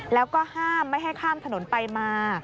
แล้วก็ห้ามไม่ให้ข้ามถนนไปมา